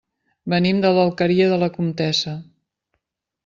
Venim de l'Alqueria de la Comtessa.